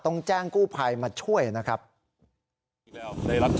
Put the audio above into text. ต้องแจ้งกู้ภัยมาช่วยนะครับ